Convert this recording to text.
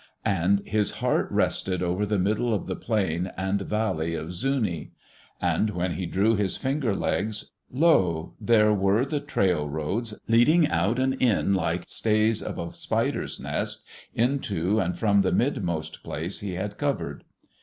And his heart rested over the middle of the plain and valley of Zuni. And when he drew in his finger legs, lo! there were the trail roads leading out and in like stays of a spider's nest, into and from the mid most place he had covered.